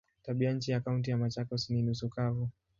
Tabianchi ya Kaunti ya Machakos ni nusu kavu.